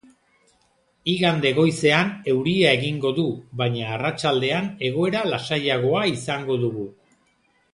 Igande goizean euria egingo du baina arratsaldean egoera lasaiagoa izango dugu.